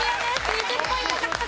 ２０ポイント獲得。